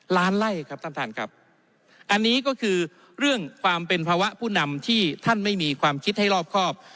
ล้านไล่ครับท่านท่านครับอันนี้ก็คือเรื่องความเป็นภาวะผู้นำที่ท่านไม่มีความคิดให้รอบครอบ